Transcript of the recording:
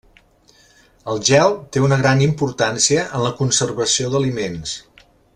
El gel té una gran importància en la conservació d'aliments.